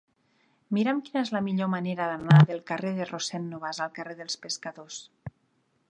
Mira'm quina és la millor manera d'anar del carrer de Rossend Nobas al carrer dels Pescadors.